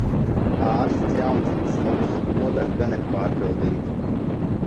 Ārsts jauns un smuks. Nodaļa gan ir pārpildīta...